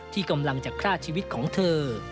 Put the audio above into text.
ที่กำลังจะฆ่าชีวิตของเธอ